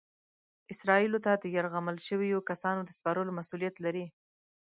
اسرائیلو ته د یرغمل شویو کسانو د سپارلو مسؤلیت لري.